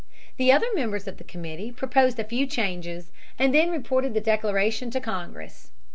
The other members of the committee proposed a few changes, and then reported the declaration to Congress.